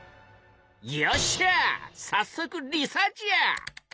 よっしゃさっそくリサーチや！